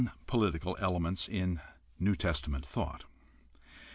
b) Some non political elements in New Testament thought.